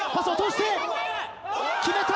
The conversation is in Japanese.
決めた！